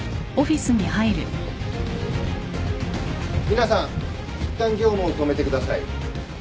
皆さんいったん業務を止めてください。